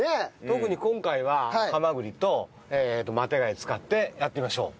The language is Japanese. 特に今回はハマグリとマテガイを使ってやってみましょう。